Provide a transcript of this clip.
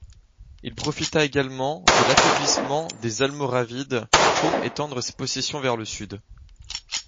Il profita également de l'affaiblissement des Almoravides pour étendre ses possessions vers le sud.